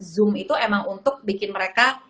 zoom itu emang untuk bikin mereka